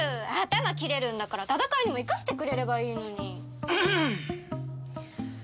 頭切れるんだから戦いにも生かしてくれればいいのに。